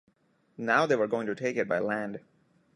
Now they were going to take it by land.